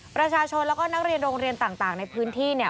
ประชาชนแล้วก็นักเรียนโรงเรียนต่างในพื้นที่เนี่ย